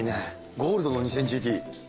ゴールドの２０００ＧＴ。